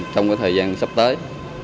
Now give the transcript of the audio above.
trong thời gian sắp tới